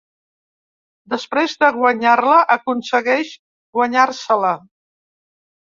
Després de guanyar-la aconsegueix guanyar-se-la.